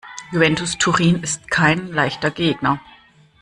Juventus Turin ist kein leichter Gegner.